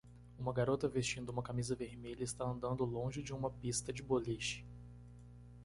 Uma garota vestindo uma camisa vermelha está andando longe de uma pista de boliche.